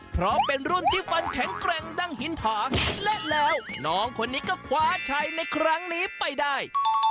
เพราะเป็นรุ่นที่ฟันแข็งแกร่งดังหินผาและแล้วน้องคนนี้ก็คว้าชัยในครั้งนี้ไปได้